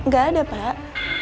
gak ada pak